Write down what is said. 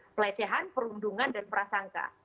pelecehan perundungan dan prasangka